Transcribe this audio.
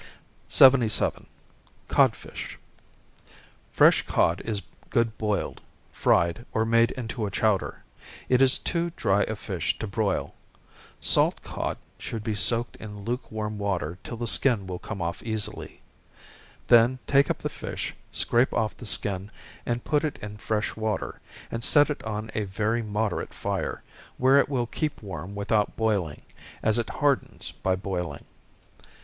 77. Codfish. Fresh cod is good boiled, fried, or made into a chowder. It is too dry a fish to broil. Salt cod should be soaked in lukewarm water till the skin will come off easily then take up the fish, scrape off the skin, and put it in fresh water, and set it on a very moderate fire, where it will keep warm without boiling, as it hardens by boiling.